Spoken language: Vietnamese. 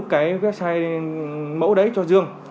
cái website mẫu đấy cho dương